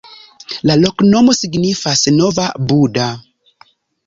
La loknomo signifas: nova-Buda.